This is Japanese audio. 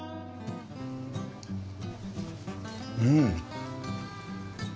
うん。